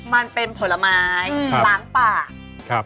มันเป็นผลไม้ล้างปาก